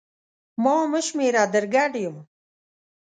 ما مه شمېره در ګډ یم!